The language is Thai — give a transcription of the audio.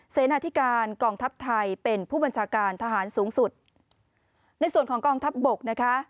เสนาธิการกองทัพไทยเป็นผู้บัญชาการทหารสูงสุดในส่วนของกองทัพบกนะคะ